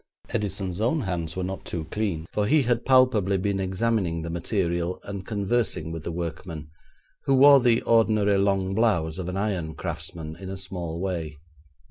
Edison's own hands were not too clean, for he had palpably been examining the material, and conversing with the workman, who wore the ordinary long blouse of an iron craftsman in a small way.